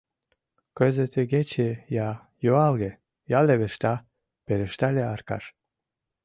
— Кызыт игече я юалге, я левешта, — пелештале Аркаш.